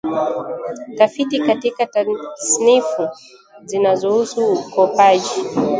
Tafiti katika tasnifu zinazohusu ukopaji